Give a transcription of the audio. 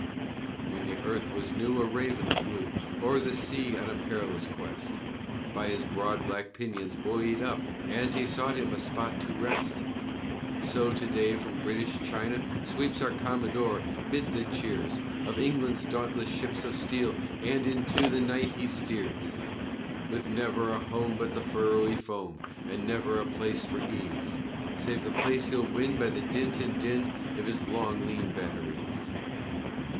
When the earth was new a raven flew o'er the sea on a perilous quest, By his broad black pinions buoyed up as he sought him a spot to rest; So to day from British China sweeps our Commodore 'mid the cheers Of England's dauntless ships of steel, and into the night he steers, With never a home but the furrowy foam and never a place for ease Save the place he'll win by the dint and din of his long, lean batteries.